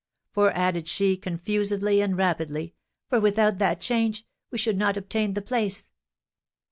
For," added she, confusedly and rapidly, "for without that change, we should not obtain the place."